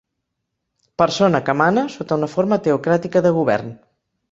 Persona que mana sota una forma teocràtica de govern.